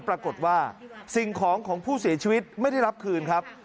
ปรากฏว่าสิ่งของของผู้เสียชีวิตไม่ได้รับคืนครับ